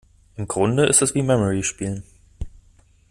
Im Grunde ist es wie Memory spielen.